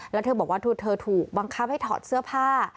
แล้วเธอบอกว่าเธอถูกบังคับให้ถอดเสื้อผ้า